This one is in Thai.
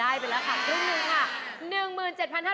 ได้เป็นแล้วค่ะทุกนึงค่ะ